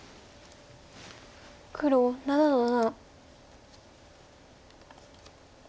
黒７の七。